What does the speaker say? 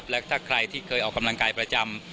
และถ้าใครที่เคยออกกำลังกายประจำ